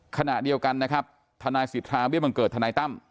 ขณะเดียวกันทนายศิษฐาเวียบังเกิดธนายต้ำ